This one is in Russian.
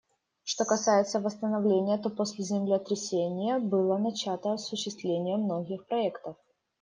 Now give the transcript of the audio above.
Что касается восстановления, то после землетрясения было начато осуществление многих проектов.